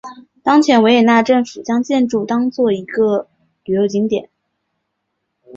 当前维也纳政府将建筑当作一个旅游景点。